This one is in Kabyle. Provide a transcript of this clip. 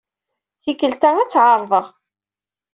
Tikkelt-a, ad tt-ɛerḍeɣ.